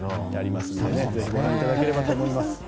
ぜひご覧いただければと思います。